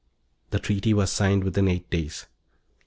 The treaty was signed within eight days.